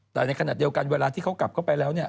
แต่ในขณะเดียวกันเวลาที่เขากลับเข้าไปแล้วเนี่ย